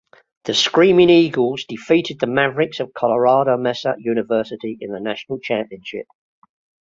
The Screaming Eagles defeated the Mavericks of Colorado Mesa University in the national championship.